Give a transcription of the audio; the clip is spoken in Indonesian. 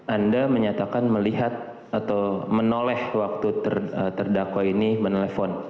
anda menyatakan melihat atau menoleh waktu terdakwa ini menelpon